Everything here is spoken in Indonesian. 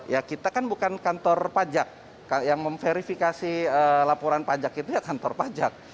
ya kita kan bukan kantor pajak yang memverifikasi laporan pajak itu ya kantor pajak